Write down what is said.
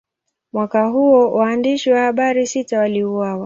Mwaka huo, waandishi wa habari sita waliuawa.